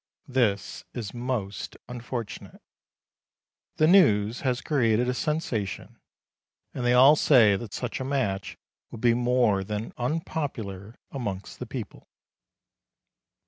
This is most unfortunate. The news has created a sensation, and they all say that such a match would be more than unpopular amongst the people.